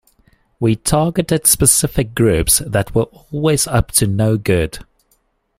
We targeted specific groups that were always up to no good.